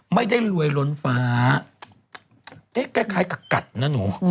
ไม่ได้รวยล้นฟ้าเอ๊ะคล้ายกับกัดนะหนู